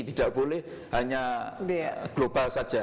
tidak boleh hanya global saja